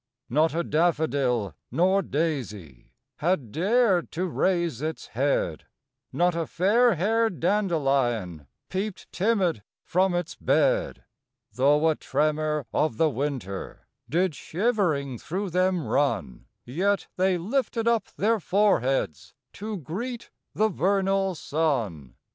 Not a daffodil nor daisy Had dared to raise its head; Not a fairhaired dandelion Peeped timid from its bed; THE CROCUSES. 5 Though a tremor of the winter Did shivering through them run; Yet they lifted up their foreheads To greet the vernal sun.